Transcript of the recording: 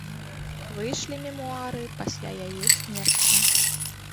Выйшлі мемуары пасля яе смерці.